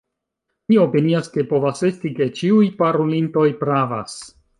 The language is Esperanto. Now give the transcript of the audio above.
Mi opinias, ke povas esti, ke ĉiuj parolintoj pravas.